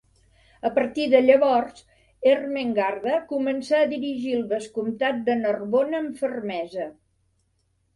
A partir de llavors, Ermengarda començà a dirigir el vescomtat de Narbona amb fermesa.